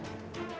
dengar suara dewi